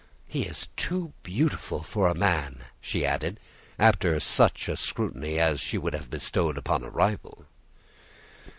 "He is too beautiful for a man," she added, after such a scrutiny as she would have bestowed upon a rival.